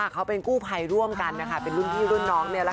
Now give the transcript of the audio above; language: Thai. เขาเป็นกู้ภัยร่วมกันเป็นร่วมพี่ร่วมน้อง